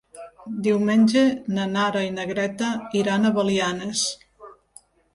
Diumenge na Nara i na Greta iran a Belianes.